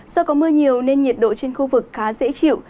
do có mưa nhiều nên nhiệt độ trên khu vực khá dễ chịu